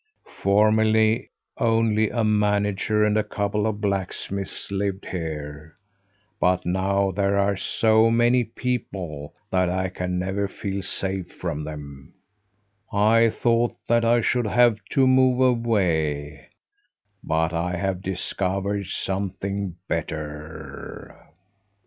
Formerly only a manager and a couple of blacksmiths lived here, but now there are so many people that I can never feel safe from them. I thought that I should have to move away, but I have discovered something better!"